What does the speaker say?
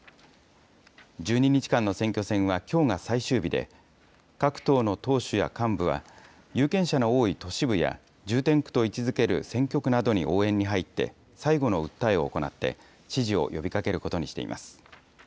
１２日間の選挙戦はきょうが最終日で、各党の党首や幹部は、有権者の多い都市部や重点区と位置づける選挙区などに応援に入って、最後の訴えを行って、支持を呼びかけることにしています。